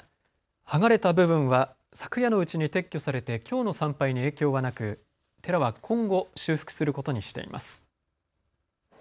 剥がれた部分は昨夜のうちに撤去されてきょうの参拝に影響はなく寺は今後、修復することにしています。